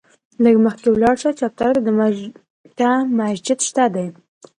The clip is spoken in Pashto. لږ مخکې ولاړ شه، چپ طرف ته مسجد شته دی.